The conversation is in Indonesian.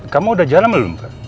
kamu udah jalan belum